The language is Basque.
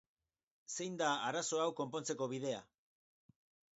Zein da arazo hau konpontzeko bidea?